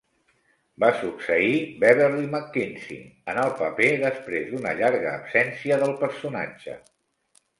Va succeir Beverlee McKinsey en el paper després d'una llarga absència del personatge.